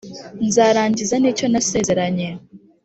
nzarangiza n’icyo nasezeranye.